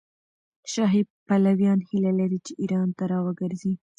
شاهي پلویان هیله لري چې ایران ته راوګرځي.